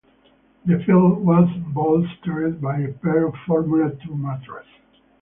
The field was bolstered by a pair of Formula Two Matras.